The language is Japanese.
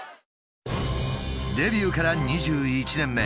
デビューから２１年目。